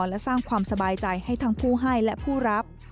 และสร้างความสบายใจให้ทั้งผู้ให้และผู้รับ